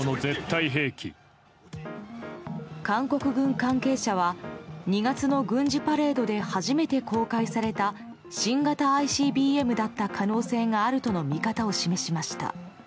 韓国軍関係者は２月の軍事パレードで初めて公開された新型ＩＣＢＭだった可能性があるとの見方を示しました。